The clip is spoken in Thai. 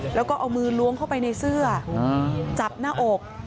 แล้วก็เอามือล้วงเข้าไปในเสื้อจับหน้าอก